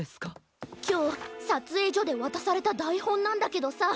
きょうさつえいじょでわたされただいほんなんだけどさ